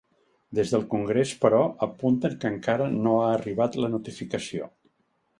Des del congrés, però, apunten que encara no ha arribat la notificació.